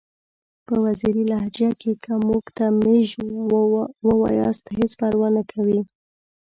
په وزیري لهجه کې که موږ ته میژ ووایاست هیڅ پروا نکوي!